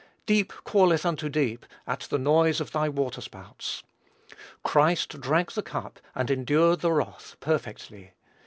"Deep calleth unto deep at the noise of thy waterspouts." Christ drank the cup, and endured the wrath perfectly.